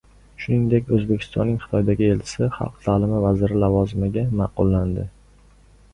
Shuningdek, O‘zbekistonning Xitoydagi elchisi xalq ta’limi vaziri lavozimiga ma’qullangan